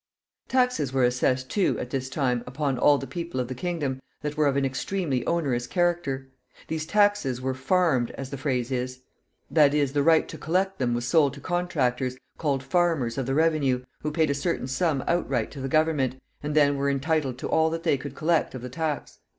Taxes were assessed, too, at this time, upon all the people of the kingdom, that were of an extremely onerous character. These taxes were farmed, as the phrase is; that is, the right to collect them was sold to contractors, called farmers of the revenue, who paid a certain sum outright to the government, and then were entitled to all that they could collect of the tax.